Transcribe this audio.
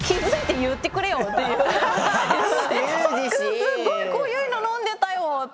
すっごい濃ゆいの飲んでたよって。